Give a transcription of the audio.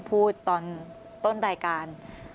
สวัสดีครับ